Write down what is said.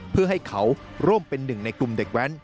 เพื่อให้เขาร่วมเป็นหนึ่งในกลุ่มเด็กแว้น